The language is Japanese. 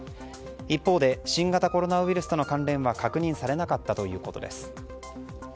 一方で新型コロナウイルスとの関連は確認されなかったということです。